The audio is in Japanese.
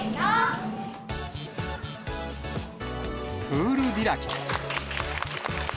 プール開きです。